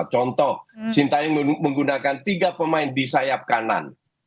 contoh sintayong menggunakan tiga pemain di sayap kanan